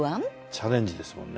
チャレンジですもんね。